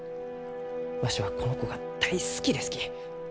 わしはこの子が大好きですき。